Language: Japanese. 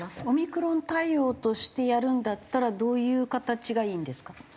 オミクロン対応としてやるんだったらどういう形がいいんですか？